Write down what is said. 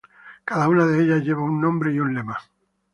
Cada una de ellas lleva un nombre y un lema.